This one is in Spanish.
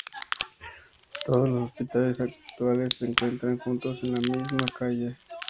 Todos los hospitales actuales se encuentran juntos en la misma calle.